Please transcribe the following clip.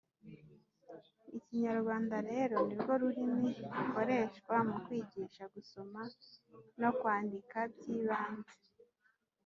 ikinyarwanda rero ni rwo rurimi rukoreshwa mu kwigisha gusoma no kwandika by’ibanze